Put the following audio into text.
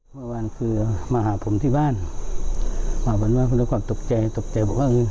เมื่อวานคือมาหาผมที่บ้านว่าบางวันคุณความตกใจตกใจบอกว่า